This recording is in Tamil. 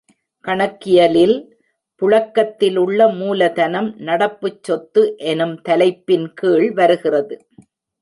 கணக்கியலில், புழக்கத்திலுள்ள மூலதனம் நடப்புச் சொத்து எனும் தலைப்பின் கீழ் வருகிறது.